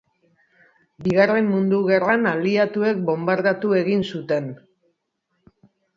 Bigarren Mundu Gerran aliatuek bonbardatu egin zuten.